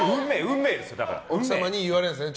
奥様に言われるんですよね